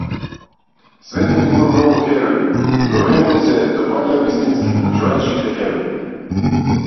Светот има многу херои, но мене ми се допаѓаат вистинските, човечките херои.